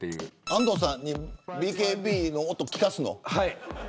安藤さんにＢＫＢの音を聞かすの。